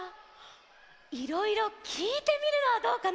いろいろきいてみるのはどうかな？